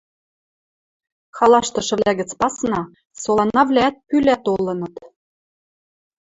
Халаштышывлӓ гӹц пасна, соланавлӓӓт пӱлӓ толыныт.